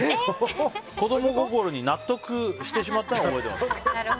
子供心に納得してしまったのを覚えています。